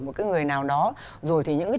một cái người nào đó rồi thì những cái